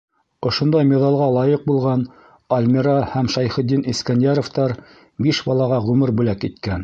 Ошондай миҙалға лайыҡ булған Альмира һәм Шәйхетдин Искәнйәровтар биш балаға ғүмер бүләк иткән.